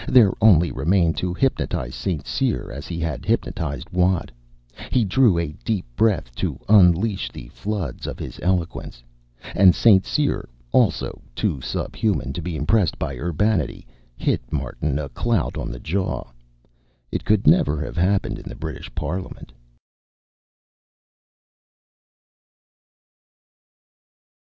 There only remained to hypnotize St. Cyr as he had hypnotized Watt. He drew a deep breath to unlease the floods of his eloquence And St. Cyr, also too subhuman to be impressed by urbanity, hit Martin a clout on the jaw. It could never have happened in the British Parliament.